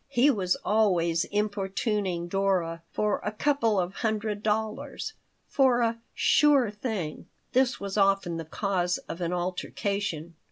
He was always importuning Dora for "a couple of hundred dollars" for a "sure thing." This was often the cause of an altercation.